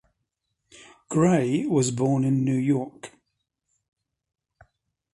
Gray was born in York.